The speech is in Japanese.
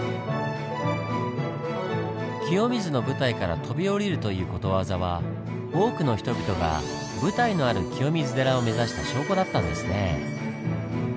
「清水の舞台から飛び降りる」ということわざは多くの人々が舞台のある清水寺を目指した証拠だったんですねぇ。